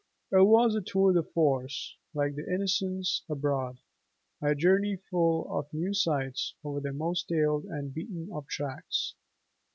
It was a tour de force like the "Innocents Abroad", a journey full of new sights over the most staled and beaten of tracks.